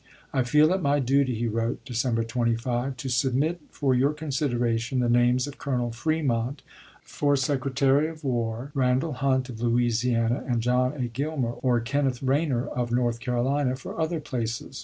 " I feel it my duty," he wrote, December 25, " to submit for your consideration the names of Colonel Fremont for Secretary of War, Randall Hunt, of Louisiana, and John A. Gilmer or Kenneth Ray nor, of North Carolina, for other places.